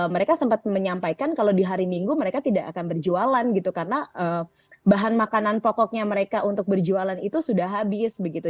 mereka sempat menyampaikan kalau di hari minggu mereka tidak akan berjualan gitu karena bahan makanan pokoknya mereka untuk berjualan itu sudah habis begitu